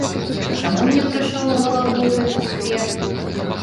Чаму мне прыйшоў у галаву гэты сквер?